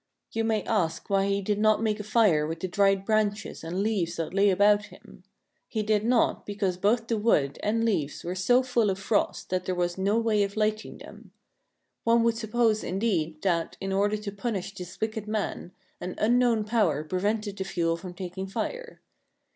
You may ask why he did not make a fire with the dried branches and leaves that lay about him. He did not because both the wood and leaves were so full of frost that there was no way of lighting them. One would suppose, indeed, that, in order to punish this wicked man, an unknown power prevented the fuel from taking fire.